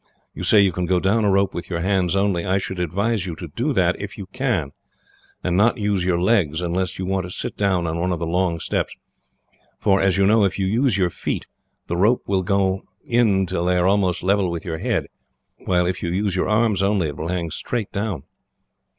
You say you can go down a rope with your hands only. I should advise you to do that, if you can, and not to use your legs unless you want to sit down on one of the long steps; for, as you know, if you use your feet the rope will go in till they are almost level with your head; while, if you use your arms only, it will hang straight down."